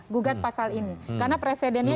gugat pasal ini karena presidennya